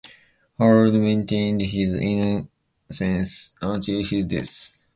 Howard maintained his innocence until his death.